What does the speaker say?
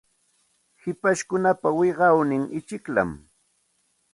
Hipashkunapa wiqawnin ichikllam.